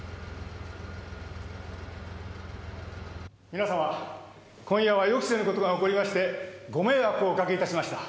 皆様今夜は予期せぬ事が起こりましてご迷惑をおかけ致しました。